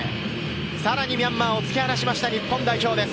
さらにミャンマーを突き放しました、日本代表です。